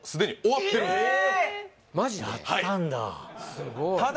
やったんだ